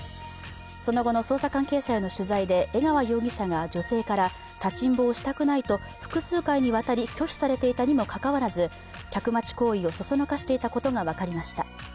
その後の捜査関係者への取材で、江川容疑者が女性から立ちんぼをしたくないと複数回にわたり拒否されていたにもかかわらず、客待ち行為をそそのかしていたことが分かりました。